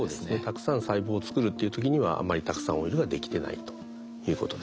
たくさん細胞を作るっていう時にはあんまりたくさんオイルができてないということですね。